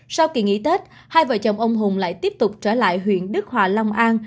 sau kỳ nghỉ tết hai vợ chồng ông hùng lại tiếp tục trở lại huyện đức hòa long an